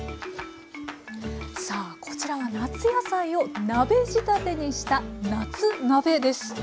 さあこちらは夏野菜を鍋仕立てにした「夏鍋」です。